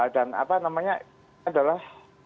dan apa namanya adalah